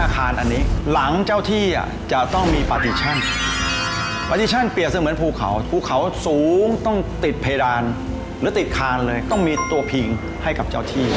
ประทิชั่นเปลี่ยนเสมือนภูเขาภูเขาสูงต้องติดเพดานหรือติดคานเลยต้องมีตัวผิงให้กับเจ้าที่